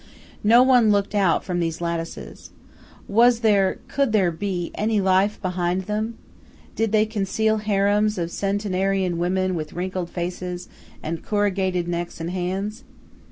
No one looked out from these lattices. Was there, could there be, any life behind them? Did they conceal harems of centenarian women with wrinkled faces, and corrugated necks and hands?